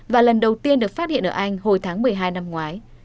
và lần đầu tiên được phát hiện ở anh hồi tháng một mươi hai năm ngoái